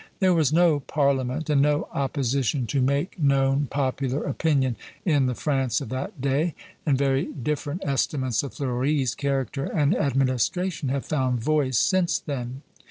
There was no Parliament and no opposition to make known popular opinion in the France of that day, and very different estimates of Fleuri's character and administration have found voice since then.